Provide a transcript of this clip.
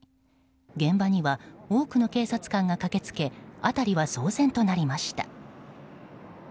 現場には多くの警察官が駆けつけ辺りは騒然となりました。